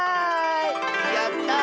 やった！